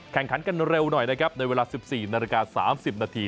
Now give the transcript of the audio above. แข่งขันกันเร็วหน่อยนะครับในเวลา๑๔นาฬิกา๓๐นาที